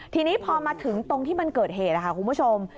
ทีนี้พอมาถึงตรงที่มันเกิดเหตุค่ะคุณผู้ชม